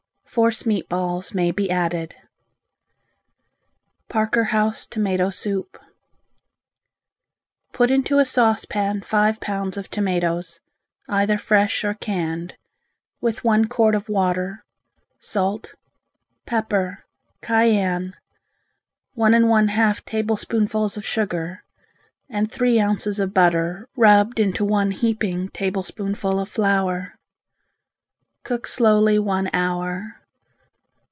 Force meat balls may be added. Parker House Tomato Soup Put into a saucepan five pounds of tomatoes, either fresh or canned, with one quart of water, salt, pepper, cayenne, one and one half tablespoonfuls of sugar, and three ounces of butter, rubbed into one heaping tablespoonful of flour. Cook slowly one hour.